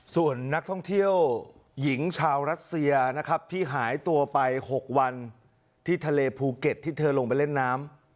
ส่วนนักท่องเที่ยวหญิงชาวรัสเซียนะครับที่หายตัวไป๖วันที่ทะเลภูเก็ตที่เธอลงไปเล่นน้ำ